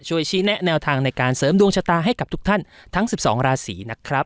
ชี้แนะแนวทางในการเสริมดวงชะตาให้กับทุกท่านทั้ง๑๒ราศีนะครับ